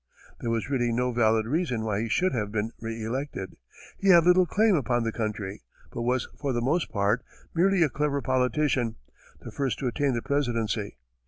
There was really no valid reason why he should have been re elected; he had little claim, upon the country, but was for the most part, merely a clever politician, the first to attain the presidency.